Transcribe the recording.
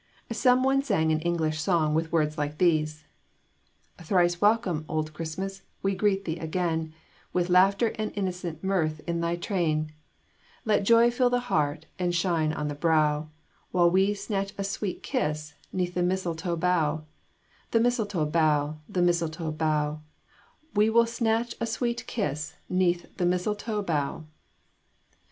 Some one sang an English song with words like these: Thrice welcome, old Christmas, we greet thee again, With laughter and innocent mirth in thy train; Let joy fill the heart, and shine on the brow, While we snatch a sweet kiss 'neath the mistletoe bough The mistletoe bough, The mistletoe bough, We will snatch a sweet kiss 'neath the mistletoe bough.